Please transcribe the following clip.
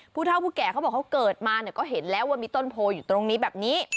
ผู้เท่าผู้แก่เขาบอกเขาเกิดมาเนี่ยก็เห็นแล้วว่ามีต้นโพอยู่ตรงนี้แบบนี้